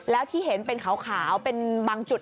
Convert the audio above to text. แล้วที่เห็นเป็นขาวเป็นบางจุด